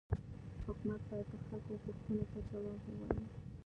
حکومت باید د خلکو غوښتنو ته جواب ووايي.